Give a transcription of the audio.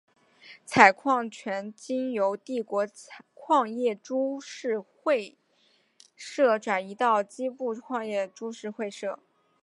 采矿权经由帝国矿业株式会社转移到矶部矿业株式会社。